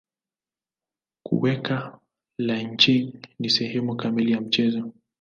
Kuweka lynching ni sehemu kamili ya mchezo.